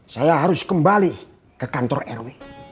saya harus kembali ke kantor rw